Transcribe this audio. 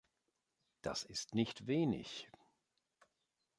Das ist nicht wenig.